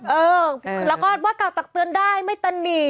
เออแล้วก็ว่ากล่าวตักเตือนได้ไม่ตะหนี